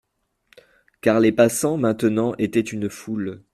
Car les passants maintenant étaient une foule.